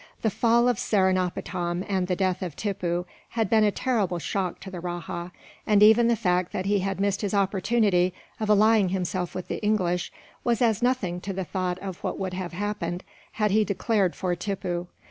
The fall of Seringapatam, and the death of Tippoo, had been a terrible shock to the rajah; and even the fact that he had missed his opportunity of allying himself with the English, was as nothing to the thought of what would have happened had he declared for Tippoo.